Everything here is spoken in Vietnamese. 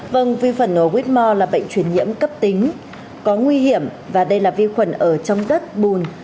vâng vi phẩn ở whitmore là bệnh truyền nhiễm cấp tính có nguy hiểm và đây là vi khuẩn ở trong đất bùn